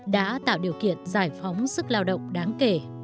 đã tạo điều kiện giải phóng sức lao động đáng kể